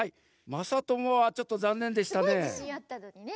まさともはちょっとざんねんでしたね。